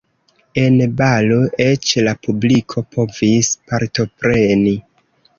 En balo eĉ la publiko povis partopreni.